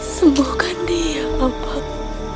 sembuhkan dia abang